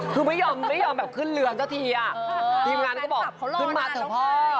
คือไม่ยอมแบบขึ้นเรืองซะทีทีมงานก็บอกขึ้นมาเจ้าฟ้าพร